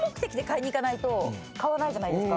買わないじゃないですか。